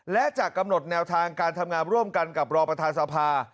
และจะกำหนดแนวทางการทำงานร่วมกันกับรอประธานสภา